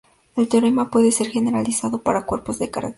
El teorema puede ser generalizado para cuerpos de característica finita.